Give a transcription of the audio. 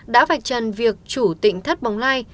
đã vạch chân việc chủ tỉnh thất bồng lai